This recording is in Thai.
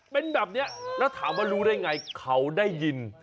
เป็นแบบนี้แล้วถามว่ารู้ได้ไงเขาได้ยิน